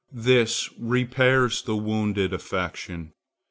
This repairs the wounded affection.